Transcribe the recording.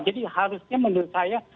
jadi harusnya menurut saya